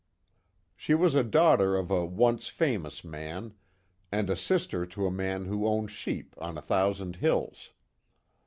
She was a daughter of a once famous man, and a sister to a man who owned sheep on a thousand hills.